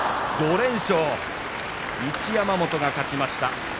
５連勝、一山本が勝ちました。